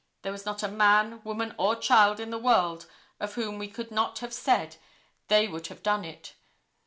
There was not a man, woman or child in the world of whom we could not have said, they would have done it.